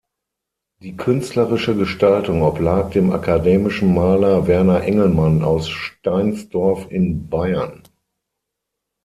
Die künstlerische Gestaltung oblag dem akademischen Maler Werner Engelmann aus Steinsdorf in Bayern.